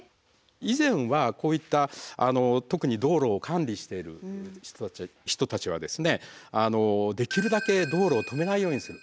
以前はこういった特に道路を管理している人たちはできるだけ道路を止めないようにする。